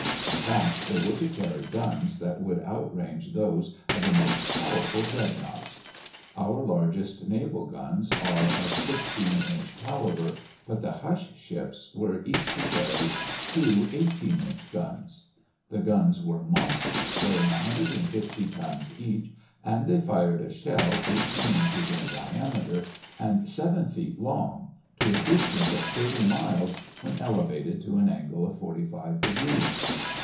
In fact, they were to carry guns that would outrange those of the most powerful dreadnoughts. Our largest naval guns are of 16 inch caliber, but the "hush ships" were each to carry two 18 inch guns. The guns were monsters weighing 150 tons each and they fired a shell 18 inches in diameter and 7 feet long to a distance of 30 miles when elevated to an angle of 45 degrees.